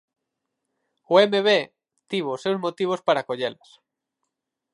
O Emevé tivo os seus motivos para acollelas.